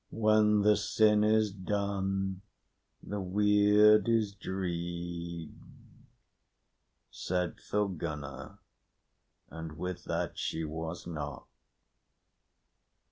"When the sin is done the weird is dreed," said Thorgunna, and with that she was not.